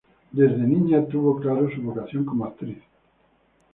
Desde niña tuvo claro su vocación como actriz.